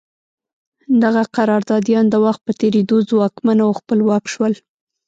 دغه قراردادیان د وخت په تېرېدو ځواکمن او خپلواک شول.